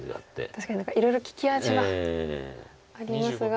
確かに何かいろいろ利き味はありますが。